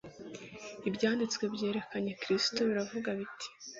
Ibyanditswe byerekcye Kristo biravuga biti.